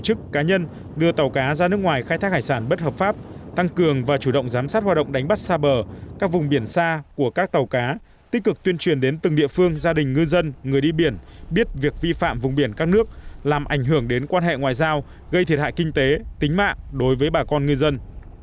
các ngư dân khai thác hải sản bất hợp pháp tăng cường và chủ động giám sát hoạt động đánh bắt xa bờ các vùng biển xa của các tàu cá tích cực tuyên truyền đến từng địa phương gia đình ngư dân người đi biển biết việc vi phạm vùng biển các nước làm ảnh hưởng đến quan hệ ngoại giao gây thiệt hại kinh tế tính mạng đối với bà con ngư dân